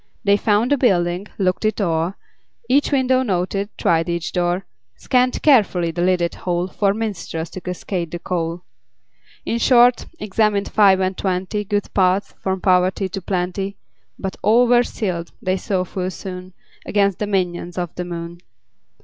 They found the building, looked it o'er, Each window noted, tried each door, Scanned carefully the lidded hole For minstrels to cascade the coal In short, examined five and twenty Good paths from poverty to plenty. But all were sealed, they saw full soon, Against the minions of the moon.